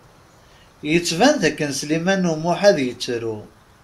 Yettban d akken Sliman U Muḥ ad yettru.